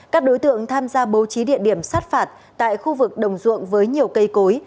các đối tượng tham gia bố trí địa điểm sát phạt tại khu vực đồng ruộng với nhiều cây cối